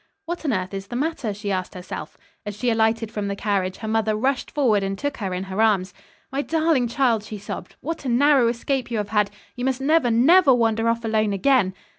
"What on earth is the matter!" she asked herself. As she alighted from the carriage her mother rushed forward and took her in her arms. "My darling child," she sobbed. "What a narrow escape you have had. You must never, never wander off alone again."